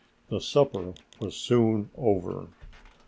The supper was soon over.